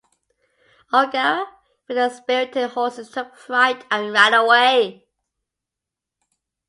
O'Gara, when their spirited horses took fright and ran away.